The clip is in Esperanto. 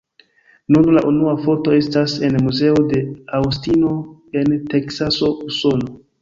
Nun la unua foto estas en muzeo de Aŭstino en Teksaso, Usono.